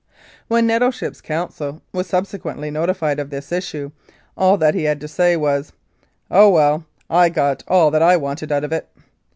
When Nettleship's counsel was subsequently notified of this issue, all that he had to say was, "Oh, well, I got all that I wanted out of it."